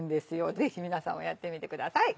ぜひ皆さんもやってみてください。